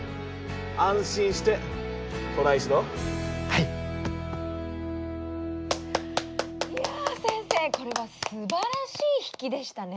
いや先生これはすばらしい引きでしたね。